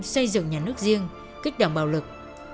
xây dựng nhà nước riêng kích động bạo lực